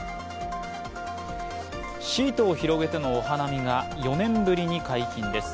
シートを広げてのお花見が４年ぶりに解禁です。